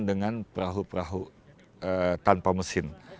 dengan perahu perahu tanpa mesin